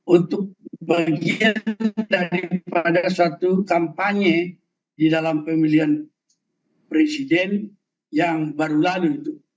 untuk bagian daripada suatu kampanye di dalam pemilihan presiden yang baru lalu